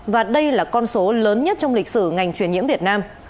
và đây là con số lớn nhất trong lịch sử ngành truyền nhiễm việt nam